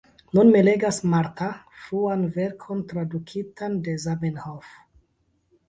Nun ni legas Marta, fruan verkon tradukitan de Zamenhof.